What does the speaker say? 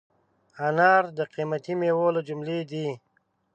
انار د قیمتي مېوو له جملې دی.